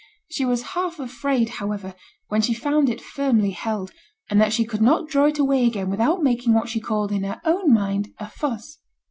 She was half afraid, however, when she found it firmly held, and that she could not draw it away again without making what she called in her own mind a 'fuss.'